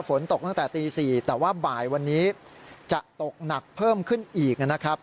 ฝนตกตั้งแต่ตี๔แต่ว่าบ่ายวันนี้จะตกหนักเพิ่มขึ้นอีกนะครับ